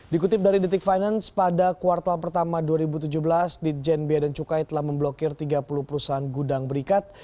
dikutip dari detik finance pada kuartal pertama dua ribu tujuh belas ditjen bea dan cukai telah memblokir tiga puluh perusahaan gudang berikat